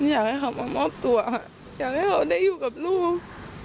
อยากให้เขามามอบตัวอยากให้เขาได้อยู่กับลูก